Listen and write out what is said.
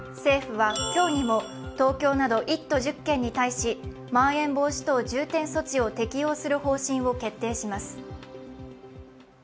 政府は今日にも首都圏の１都１０県に対しまん延防止等重点措置を適用する方針を決定します。